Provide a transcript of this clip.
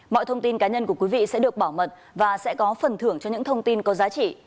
mọi thông tin cá nhân của quý vị sẽ được bảo mật và sẽ có phần thưởng cho những thông tin có giá trị